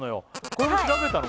これ調べたの？